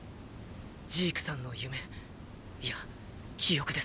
ジークさんの夢イヤ記憶です。